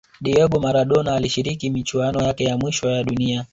diego maradona alishiriki michuano yake ya mwisho ya dunia